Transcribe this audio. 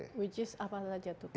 which is apa saja tuh pak